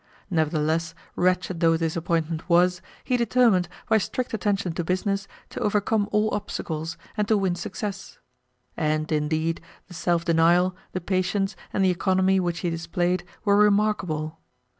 Nevertheless, wretched though this appointment was, he determined, by strict attention to business, to overcome all obstacles, and to win success. And, indeed, the self denial, the patience, and the economy which he displayed were remarkable.